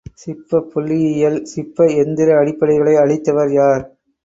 சிப்பப்புள்ளியியல் சிப்ப எந்திர அடிப்படைகளை அளித்தவர் யார்?